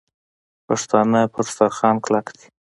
پښتانه پر دسترخوان کلک دي.